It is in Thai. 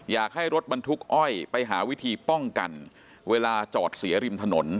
อยากให้รถบรรทุกอ้อยไปหาวิธีป้องกันเวลาจอดเสียริมถนน